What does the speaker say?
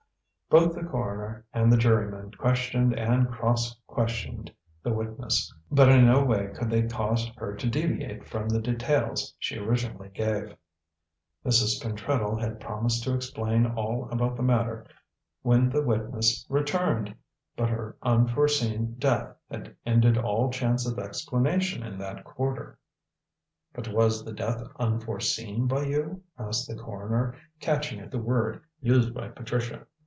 Both the coroner and the jurymen questioned and cross questioned the witness, but in no way could they cause her to deviate from the details she originally gave. Mrs. Pentreddle had promised to explain all about the matter when the witness returned, but her unforeseen death had ended all chance of explanation in that quarter. "But was the death unforeseen by you?" asked the coroner, catching at the word used by Patricia.